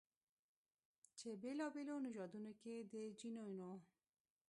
چې بېلابېلو نژادونو کې د جینونو